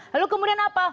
lalu kemudian apa